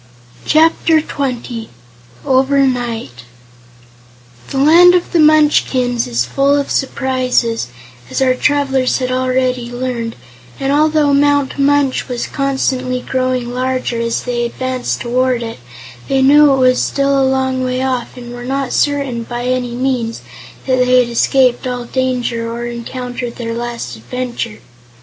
Chapter Twenty Over Night The Land of the Munchkins is full of surprises, as our travelers had already learned, and although Mount Munch was constantly growing larger as they advanced toward it, they knew it was still a long way off and were not certain, by any means, that they had escaped all danger or encountered their last adventure.